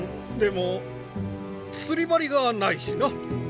でも釣り針がないしな。